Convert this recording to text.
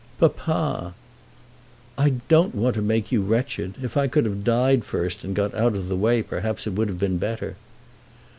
"Papa!" "I don't want to make you wretched. If I could have died first, and got out of the way, perhaps it would have been better."